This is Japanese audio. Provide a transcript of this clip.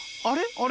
あれ？